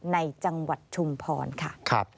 ในจังหวัดชุมพรค่ะ